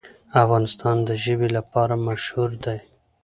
افغانستان د ژبې لپاره مشهور دی.